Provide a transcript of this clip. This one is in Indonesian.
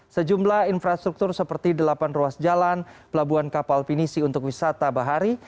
sejumlah infrastruktur seperti delapan ruas jalan pelabuhan kapal pinisi untuk wisata bahari